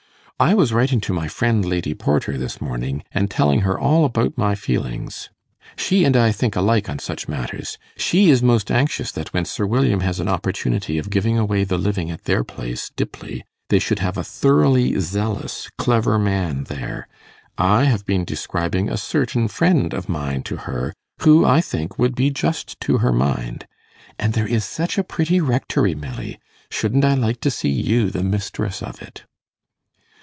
I was writing to my friend Lady Porter this morning, and telling her all about my feelings. She and I think alike on such matters. She is most anxious that when Sir William has an opportunity of giving away the living at their place, Dippley, they should have a thoroughly zealous clever man there. I have been describing a certain friend of mine to her, who, I think, would be just to her mind. And there is such a pretty rectory, Milly; shouldn't I like to see you the mistress of it?